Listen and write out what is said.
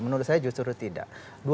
menurut saya justru tidak